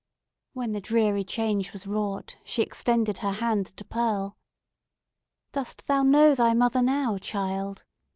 When the dreary change was wrought, she extended her hand to Pearl. "Dost thou know thy mother now, child?"